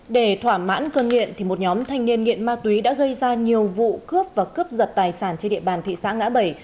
để thỏa mãn cơn nghiện một nhóm thanh niên nghiện ma túy đã gây ra nhiều vụ cướp và cướp giật tài sản trên địa bàn thị xã ngã bảy